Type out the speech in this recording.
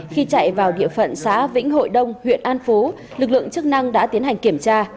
khi chạy vào địa phận xã vĩnh hội đông huyện an phú lực lượng chức năng đã tiến hành kiểm tra